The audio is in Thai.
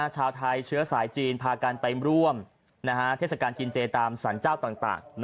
ชาวไทยเชื้อสายจีนพากันไปร่วมเทศกาลกินเจตามสรรเจ้าต่าง